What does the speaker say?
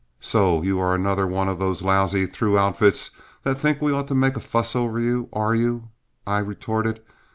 "So you are another one of these lousy through outfits that think we ought to make a fuss over you, are you?" I retorted.